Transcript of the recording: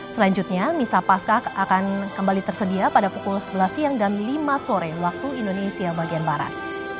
selanjutnya misa pasca akan kembali tersedia pada pukul sebelas siang dan lima sore waktu indonesia bagian barat